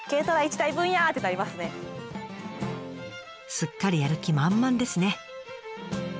すっかりやる気満々ですね。